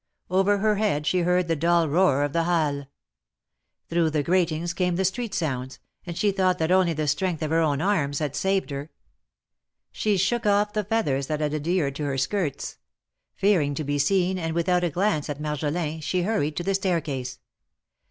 Over her head she heard the dull roar of the ^ Halles. Through the gratings came the street sounds, and she thought that only the strength of her own arms had saved her. She shook off the feathers that had adhered to her 208 THE MARKETS OF PARIS. skirts. Fearing to be seen, and without a glance at Mar jolin, she hurried to the stair case.